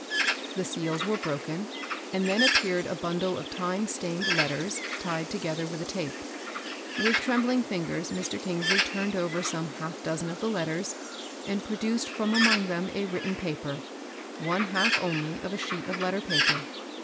The seals were broken, and then appeared a bun dle of time stained letters, tied together with a tape. With trembling fingers Mr. Kingsley turned over some half dozen of the letters, and produced from among them a written paper, one half only of a sheet of letter paper.'